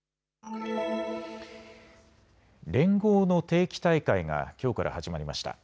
連合の定期大会がきょうから始まりました。